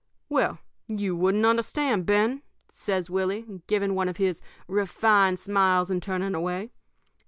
"'Well, you wouldn't understand, Ben,' says Willie, giving one of his refined smiles and turning away.